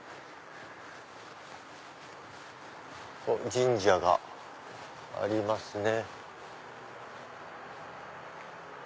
神社がありますね。